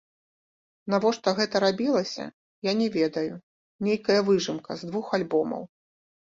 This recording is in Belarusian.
Навошта гэта рабілася, я не ведаю, нейкая выжымка з двух альбомаў.